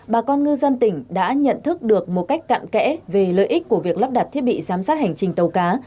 bà con ngư dân tỉnh đã nhận thức được một cách cạn kẽ về lợi ích của việc lắp đặt thiết bị giám sát hành trình tàu cá